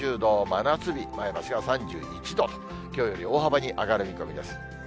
前橋が３１度、きょうより大幅に上がる見込みです。